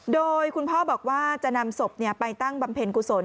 โดยคุณพ่อบอกว่าจะนำศพไปตั้งบำเพ็ญกุศล